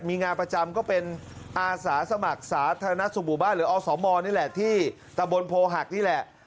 มีงานประจำก็เป็นอาสาสมัครสาธารณสุขหมู่บ้านหรืออสมนี่แหละที่ตะบนโพหักนี่แหละ